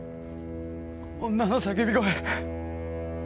女の叫び声。